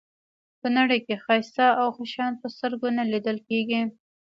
په نړۍ کې ښایسته او ښه شیان په سترګو نه لیدل کېږي.